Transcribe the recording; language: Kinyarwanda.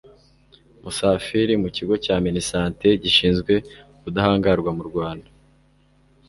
Musafiri mu kigo cya minisante gishinzwe ubudahangarwa mu Rwanda